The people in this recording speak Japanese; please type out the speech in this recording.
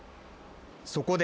そこで。